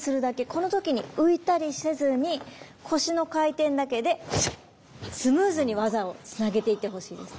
この時に浮いたりせずに腰の回転だけでスムーズに技をつなげていってほしいんです。